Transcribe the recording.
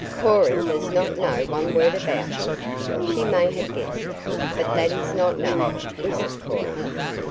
Cora does not know one word about it. She may have guessed, but that is not knowing, is it, Cora?"